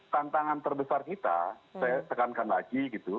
tantangan terbesar kita saya tekankan lagi gitu